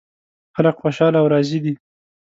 خلک خوشحال او راضي دي